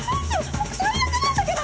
もう最悪なんだけど！